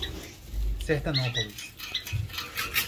Sertanópolis